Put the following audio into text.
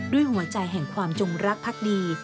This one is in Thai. ด้วยหัวใจแห่งความจงรักพักดี